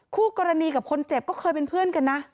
คู่กรณีกับคนเจ็บก็เคยเป็นเพื่อนกันนะ